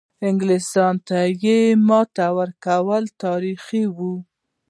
انګلیستان ته ماتې ورکول تاریخي وه.